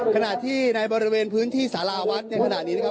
ขณะที่ในบริเวณพื้นที่สาราวัดในขณะนี้นะครับ